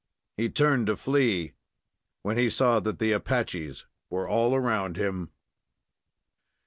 He turned to flee when he saw that the Apaches were all about him.